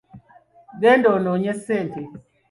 Genda onyoonye ssente.